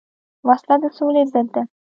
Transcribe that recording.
وسله د سولې ضد ده